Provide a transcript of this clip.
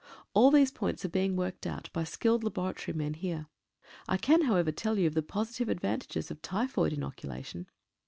All these points are being worked out by skilled laboratory men here. I can, however, tell you of the positive advantages of typhoid inoculation.